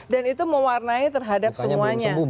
dan itu mewarnai terhadap semuanya